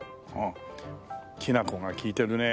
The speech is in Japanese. きな粉が利いてるね。